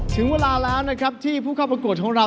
ถึงเวลาแล้วนะครับที่ผู้เข้าประกวดของเรา